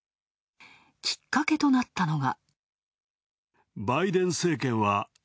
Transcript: きっかけとなったのが。